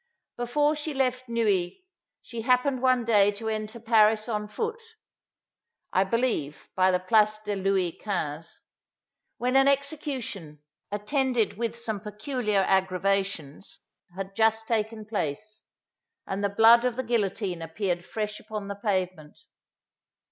Before she left Neuilly, she happened one day to enter Paris on foot (I believe, by the Place de Louis Quinze), when an execution, attended with some peculiar aggravations, had just taken place, and the blood of the guillotine appeared fresh upon the pavement.